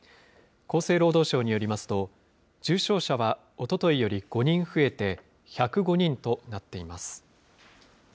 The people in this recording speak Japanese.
厚生労働省によりますと、重症者はおとといより５人増えて、１０５人となっています。